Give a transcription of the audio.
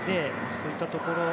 そういったところ。